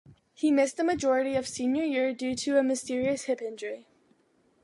He missed a majority of senior year due to a mysterious hip injury.